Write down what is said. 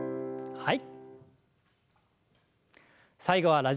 はい。